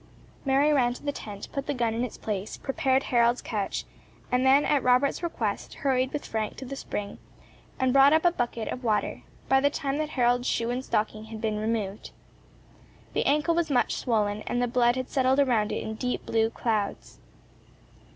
Mary ran to the tent, put the gun in its place, prepared Harold's couch, and then at Robert's request hurried with Frank to the spring and brought up a bucket of water, by the time that Harold's shoe and stocking had been removed. The ankle was much swollen, and the blood had settled around it in deep blue clouds.